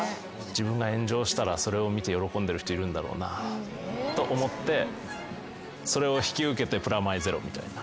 自分が炎上したらそれを見て喜んでる人いるんだろうなと思ってそれを引き受けてプラマイゼロみたいな。